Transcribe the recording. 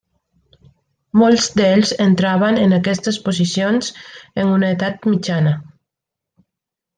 Molts d'ells entraven en aquestes posicions en una edat mitjana.